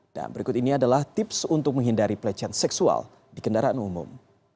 dan berikut ini adalah tips untuk menghindari pelecehan seksual di kendaraan umum